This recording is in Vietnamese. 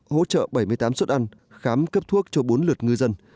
hỗ trợ bảy mươi tám suất ăn khám cấp thuốc cho bốn lượt ngư dân